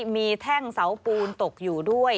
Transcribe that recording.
มีแท่งเสาปูนตกอยู่ด้วย